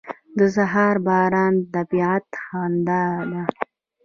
• د سهار باران د طبیعت خندا ده.